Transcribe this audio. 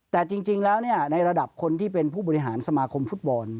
แต่จริงแล้วในระดับคนที่เป็นผู้บริหารสมาคมฟุตบอล